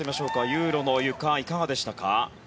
ユーロのゆかいかがでしたか。